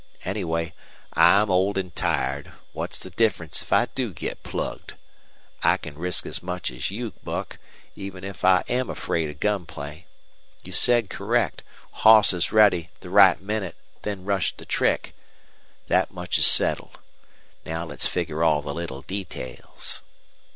Anyway, I'm old an' tired what's the difference if I do git plugged? I can risk as much as you, Buck, even if I am afraid of gun play. You said correct, 'Hosses ready, the right minnit, then rush the trick.' Thet much 's settled. Now let's figger all the little details."